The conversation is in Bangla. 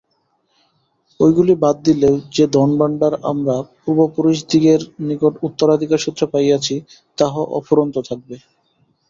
ঐগুলি বাদ দিলেও যে- ধনভাণ্ডার আমরা পূর্বপুরুষদিগের নিকট উত্তরাধিকারসূত্রে পাইয়াছি, তাহা অফুরন্ত থাকিবে।